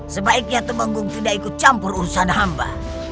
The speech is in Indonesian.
sebaiknya temanggung tidak ikut campur urusan hamba